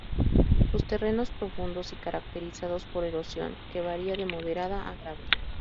Son terrenos profundos y caracterizados por erosión que varía de moderada a grave.